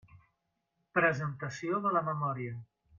Presentació de la memòria.